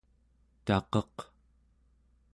taqeq